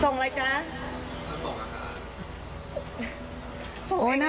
ส่งอะไรจ๊ะส่งอาหาร